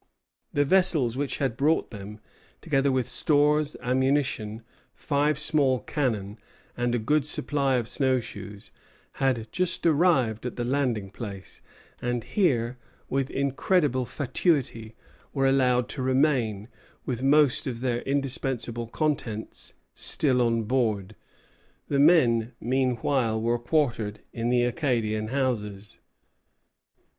The vessels which had brought them, together with stores, ammunition, five small cannon, and a good supply of snow shoes, had just arrived at the landing place, and here, with incredible fatuity, were allowed to remain, with most of their indispensable contents still on board. The men, meanwhile, were quartered in the Acadian houses.